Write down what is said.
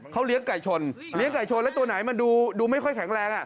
เขาเลี้ยงไก่ชนเลี้ยงไก่ชนแล้วตัวไหนมันดูไม่ค่อยแข็งแรง